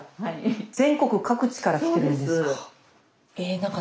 全国各地から来てるんですか？